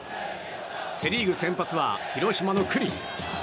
セ・リーグ先発は広島の九里。